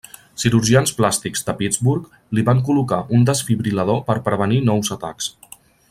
Cirurgians plàstics de Pittsburgh li van col·locar un desfibril·lador per prevenir nous atacs.